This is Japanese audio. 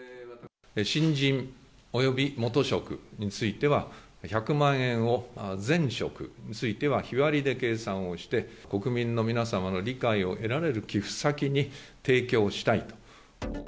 新人及び元職については、１００万円を、前職については日割りで計算をして、国民の皆様の理解を得られる寄付先に提供したいと。